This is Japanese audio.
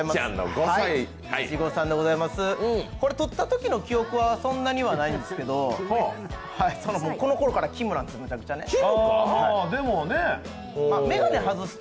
これ、撮ったときの記憶はそんなにはないんですけどこのころから「きむ」なんです。